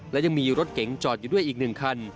และยังมีรถเก๋งจอดอยู่ด้วยอีก๑คัน